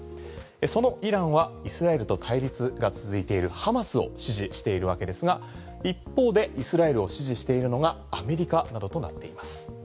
そのイランはイスラエルと対立が続いているハマスを支持しているわけですが一方でイスラエルを支持しているのがアメリカなどとなっています。